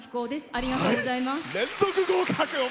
ありがとうございます。